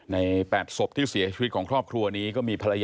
ในแปบศพที่เสียชีวิตของครอบครัวนี้